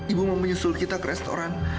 ibu mau menyusul kita ke restoran